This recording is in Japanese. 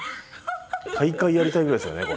大会やりたいぐらいですよね